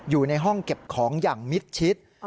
อยู่ในห้องเก็บของอย่างมิดชิด